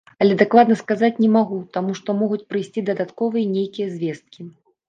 Але дакладна сказаць не магу, таму што могуць прыйсці дадатковыя нейкія звесткі.